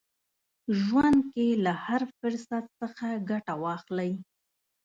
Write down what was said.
ژوند کې له هر فرصت څخه ګټه واخلئ.